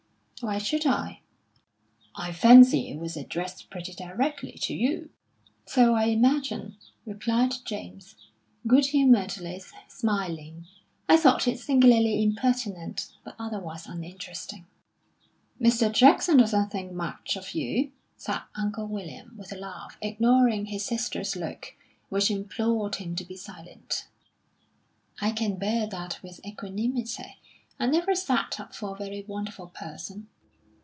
"Why should I?" "I fancy it was addressed pretty directly to you." "So I imagine," replied James, good humouredly smiling. "I thought it singularly impertinent, but otherwise uninteresting." "Mr. Jackson doesn't think much of you," said Uncle William, with a laugh, ignoring his sister's look, which implored him to be silent. "I can bear that with equanimity. I never set up for a very wonderful person."